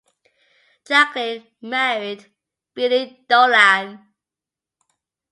Jaclyn married Billy Dolan.